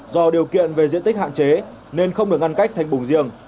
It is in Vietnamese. đây là diện tích hạn chế nên không được ngăn cách thành bùng riêng